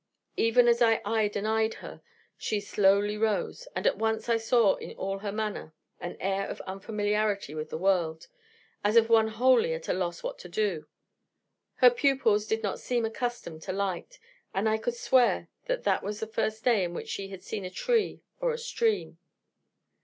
Even as I eyed and eyed her, she slowly rose: and at once I saw in all her manner an air of unfamiliarity with the world, as of one wholly at a loss what to do. Her pupils did not seem accustomed to light; and I could swear that that was the first day in which she had seen a tree or a stream.